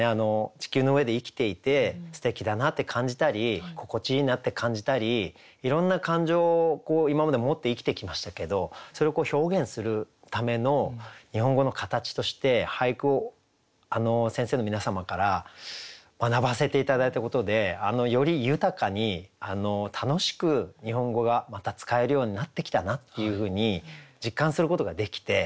地球の上で生きていてすてきだなって感じたり心地いいなって感じたりいろんな感情を今まで持って生きてきましたけどそれを表現するための日本語の形として俳句を先生の皆様から学ばせて頂いたことでより豊かに楽しく日本語がまた使えるようになってきたなっていうふうに実感することができて。